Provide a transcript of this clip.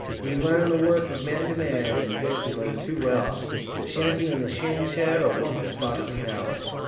We learn the worth of man to man and this we learn too well The shanty and the shearing shed are warmer spots in hell!